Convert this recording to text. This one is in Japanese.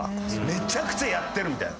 めちゃくちゃやってるみたいな。